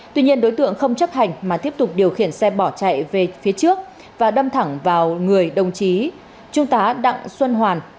tuy nhiên đối tượng không chấp hành mà tiếp tục điều khiển xe bỏ chạy về phía trước và đâm thẳng vào người đồng chí trung tá đặng xuân hoàn